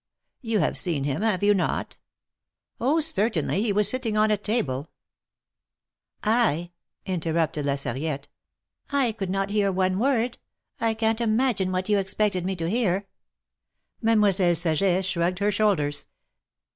You have seen him, have you not ?" "Oh, certainly; he was sitting on a table —"" I," interrupted La Sarriette, " I could not hear one word. I can't imagine what you expected me to hear." Mademoiselle Saget shrugged her shoulders.